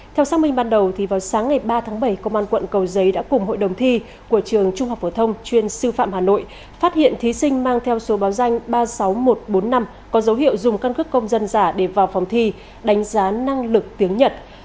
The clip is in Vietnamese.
theo xác minh ban đầu vào sáng ngày ba tháng bảy công an quận cầu giấy đã cùng hội đồng thi của trường trung học phổ thông chuyên sư phạm hà nội phát hiện thí sinh mang theo số báo danh ba mươi sáu nghìn một trăm bốn mươi năm có dấu hiệu dùng căn cước công dân giả để vào phòng thi đánh giá năng lực tiếng nhật